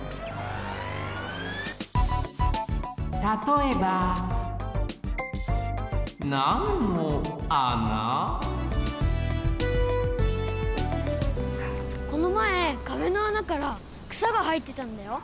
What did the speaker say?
たとえばこのまえかべの穴からくさがはえてたんだよ。